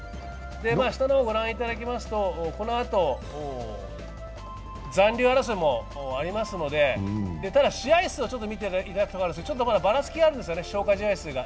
下の方をご覧いただきますと、このあと残留争いもありますので、ただ、試合数、見ていただくと分かるんですがまだばらつきがあるんですよね、消化試合数が。